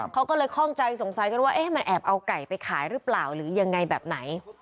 เขาก็เลยคล่องใจสงสัยกันว่ามันแอบเอาไก่ไปขายหรือเปล่าหรือยังไงแบบไหน